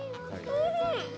おいしい！